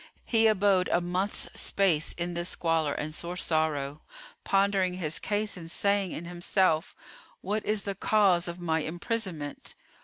He abode a month's space, in this squalor and sore sorrow, pondering his case and saying in himself, "What is the cause of my imprisonment?"